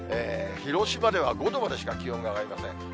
広島では５度までしか気温が上がりません。